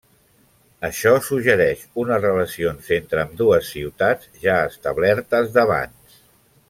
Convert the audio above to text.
Això suggereix unes relacions entre ambdues ciutats ja establertes d'abans.